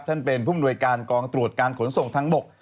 ท่านเป็นผู้มนวยการกองตรวจการขนส่งทางบก